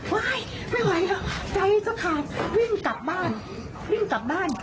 ไม่ไหวแล้วใจจะขาดวิ่งกลับบ้านวิ่งกลับบ้าน